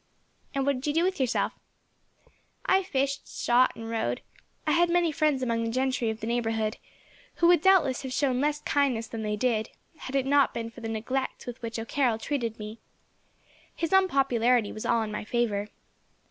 "And what did you do with yourself?" "I fished, shot, and rode. I had many friends among the gentry of the neighbourhood, who would, doubtless, have shown less kindness than they did, had it not been for the neglect with which O'Carroll treated me. His unpopularity was all in my favour.